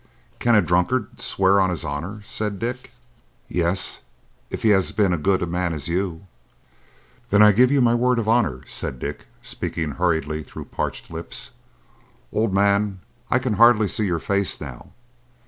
"Can a drunkard swear on his honour?" said Dick. "Yes, if he has been as good a man as you." "Then I give you my word of honour," said Dick, speaking hurriedly through parched lips. "Old man, I can hardly see your face now.